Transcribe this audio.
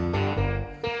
nih si tati